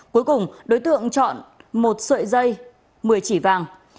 cuối cùng đối tượng chọn một sợi dây một mươi chỉ vàng